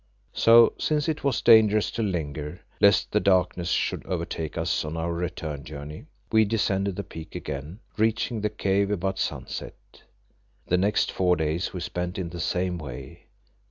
So, since it was dangerous to linger, lest the darkness should overtake us on our return journey, we descended the peak again, reaching the cave about sunset. The next four days we spent in the same way.